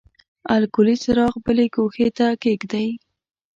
الکولي څراغ بلې ګوښې ته کیږدئ.